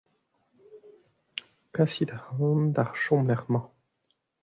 Kasit ac'hanon d'ar chomlec'h-mañ